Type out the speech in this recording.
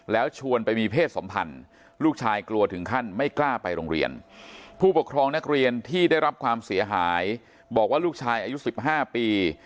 แล้วชวนไปมีเพศสัมพันธ์ลูกชายกลัวถึงขั้นไม่กล้าไปโรงเรียนผู้ปกครองนักเรียนที่ได้รับความเสียหายบอกว่าลูกชายอายุ๑๕ปี